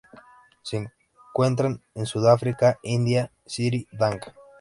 Se encuentran en Sudáfrica, India y Sri Lanka.